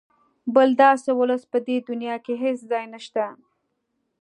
بل داسې ولس په دې دونیا کې هېڅ ځای نشته.